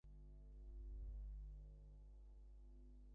শহীদ রুমী স্কোয়াডের উদ্যোগে স্থাপন করা শহীদজননী জাহানারা ইমামের সেই ছবি।